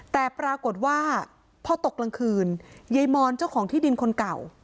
แต่ปรากฏว่าพอตกกลางคืนยายมอนเจ้าของที่ดินคนเก่า